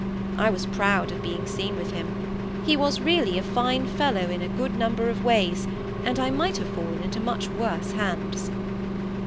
I was proud of being seen with him. He was really a fine fellow in a good number of ways, and I might have fallen into much worse hands.